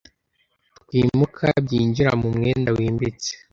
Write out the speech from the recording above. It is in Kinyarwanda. twimuka byinjira mu mwenda wimbitse